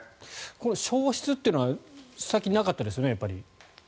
この消失というのは最近なかったですね。